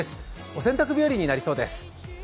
お洗濯日和になりそうです。